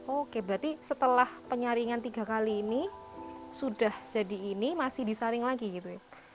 oke berarti setelah penyaringan tiga kali ini sudah jadi ini masih disaring lagi gitu ya